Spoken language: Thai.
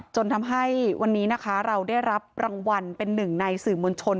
จนทำให้วันนี้นะคะเราได้รับรางวัลเป็นหนึ่งในสื่อมวลชน